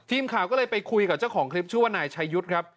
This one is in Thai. ทีมข่าวก็เลยไปคุยกับเจ้าของคลิปชื่อว่านายชายุทธ์ครับ